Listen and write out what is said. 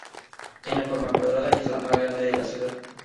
Tiene forma cuadrada y es la más grande de la ciudad.